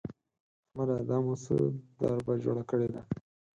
احمده! دا مو څه دربه جوړه کړې ده؟!